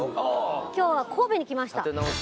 今日は神戸に来ました